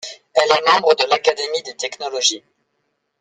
Elle est membre de l’Académie des Technologies.